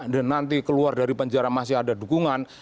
dan nanti keluar dari penjara masih ada dukungan